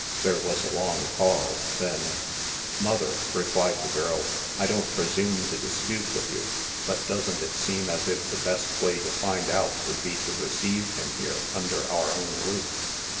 There was a long pause, then :" Mother," replied the girl, " I don't presume to dispute with you; but doesn't it seem as if the best way to find out would be to receive him here, under our own roof?